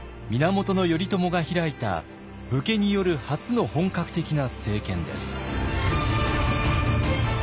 源頼朝が開いた武家による初の本格的な政権です。